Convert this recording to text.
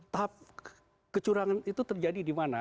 tahap kecurangan itu terjadi di mana